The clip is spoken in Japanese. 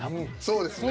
そうですね。